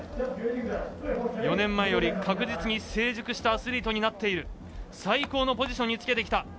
４年前より確実に成熟したアスリートになっている最高のポジションにつけてきた。